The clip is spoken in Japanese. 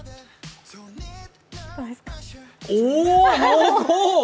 おー、濃厚。